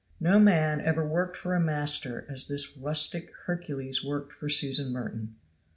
No man ever worked for a master as this rustic Hercules worked for Susan Merton.